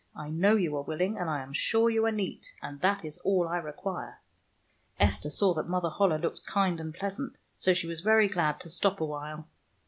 I know you are willing, and I am sure you are neat, and that is all I require." Esther saw that Mother Holle looked kind and pleasant, so she was very glad to stop awhile.